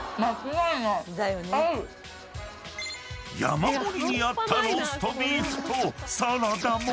［山盛りにあったローストビーフとサラダも］